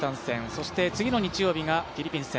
そして次の日曜日がフィリピン戦。